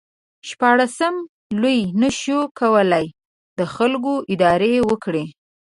شپاړسم لویي نشو کولای د خلکو اداره وکړي.